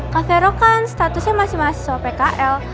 kak vero kan statusnya masih mahasiswa pkl